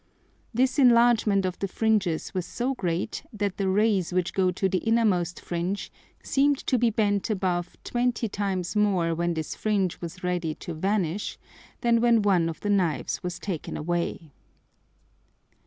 This enlargement of the Fringes was so great that the Rays which go to the innermost Fringe seem'd to be bent above twenty times more when this Fringe was ready to vanish, than when one of the Knives was taken away.